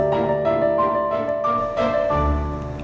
mungkin gue bisa dapat petunjuk lagi disini